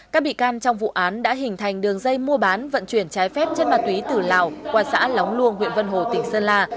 các bị can trong vụ án đã hình thành đường dây mua bán vận chuyển trái phép chất ma túy từ lào qua xã lóng luông huyện vân hồ tỉnh sơn la